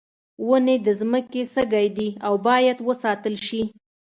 ونې د ځمکې سږی دي او باید وساتل شي.